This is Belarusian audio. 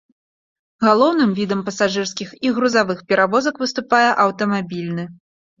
Галоўным відам пасажырскіх і грузавых перавозак выступае аўтамабільны.